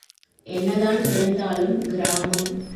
என்னதான் இருந்தாலும் கிராமம்.